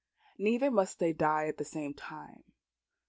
Neither must they die at the same time.